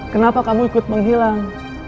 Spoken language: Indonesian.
kenapa kamu ikut menghilang